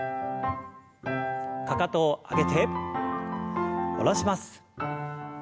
かかとを上げて下ろします。